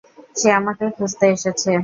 সে আমাকে খুঁজতে এসেছে।